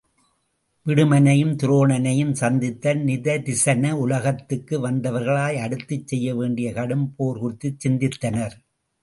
விடுமனையும் துரோணனனையும் சந்தித்தல் நிதரிசன உலகத்துக்கு வந்தவர்களாய் அடுத்துச் செய்ய வேண்டிய கடும் போர் குறித்துச் சிந்தித்தனர்.